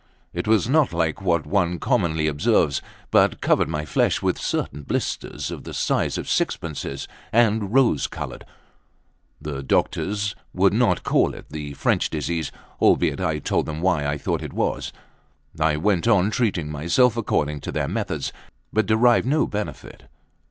It was not like what one commonly observes, but covered my flesh with certain blisters, of the size of six pences, and rose coloured. The doctors would not call it the French disease, albeit I told them why I thought it was that. I went on treating myself according to their methods, but derived no benefit.